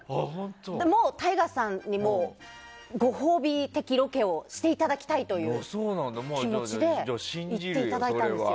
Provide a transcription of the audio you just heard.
もうＴＡＩＧＡさんにご褒美的ロケをしていただきたいという気持ちで行っていただいたんですよ。